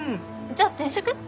じゃあ転職？